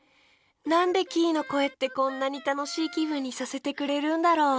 なんでキイのこえってこんなにたのしいきぶんにさせてくれるんだろう。